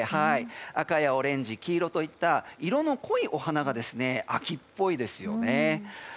赤やオレンジ、黄色といった色の濃いお花が秋っぽいですよね。